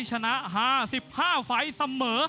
ชนะ๕๕ฝ่าย